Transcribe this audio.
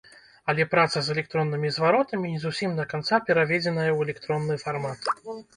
Але праца з электроннымі зваротамі не зусім да канца пераведзеная ў электронны фармат.